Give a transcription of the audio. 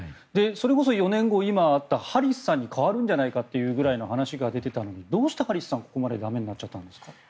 それこそ４年後、今あったハリスさんに代わるんじゃないかという話が出ていたのにどうしてハリスさんはここまでだめになっちゃったんですか？